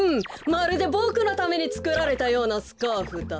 まるでボクのためにつくられたようなスカーフだ。